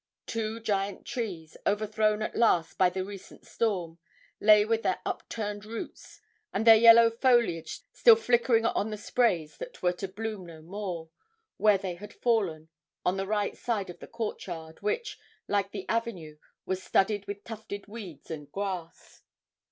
Two giant trees, overthrown at last by the recent storm, lay with their upturned roots, and their yellow foliage still flickering on the sprays that were to bloom no more, where they had fallen, at the right side of the court yard, which, like the avenue, was studded with tufted weeds and grass.